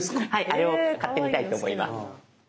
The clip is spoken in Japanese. あれを買ってみたいと思います。